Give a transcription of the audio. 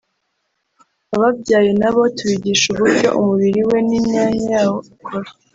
Ababyaye nabo tubigisha uburyo umubiri we n’imyanya yawo ikora